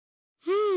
うん？